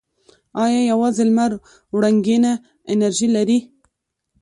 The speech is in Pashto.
آیا یوازې لمر وړنګینه انرژي لري؟